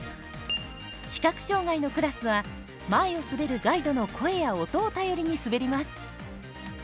視覚障がいのクラスは前を滑るガイドの声や音を頼りに滑ります。